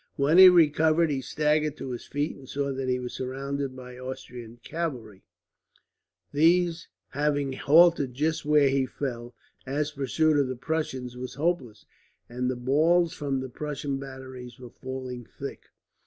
When he recovered he staggered to his feet, and saw that he was surrounded by Austrian cavalry; these having halted just where he fell, as pursuit of the Prussians was hopeless, and the balls from the Prussian batteries were falling thick.